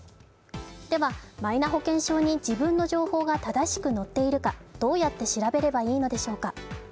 ではマイナ保険証に自分の情報が正しく載っているかどうやって調べればいいのでしょうか。